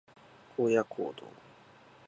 荒野行動